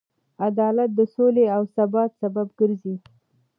عدالت د سولې او ثبات سبب ګرځي.